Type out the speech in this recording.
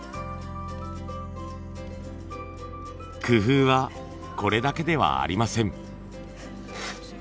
工夫はこれだけではありません。